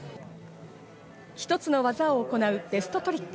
１つの技を行うベストトリック。